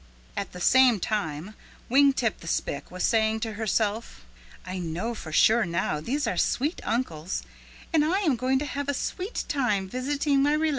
At the same time Wing Tip the Spick was saying to herself, "I know for sure now these are sweet uncles and I am going to have a sweet time visiting my relations."